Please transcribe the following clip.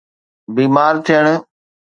بيمار ٿيڻ